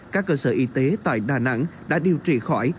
các cơ sở y tế tại đà nẵng đã điều trị khỏi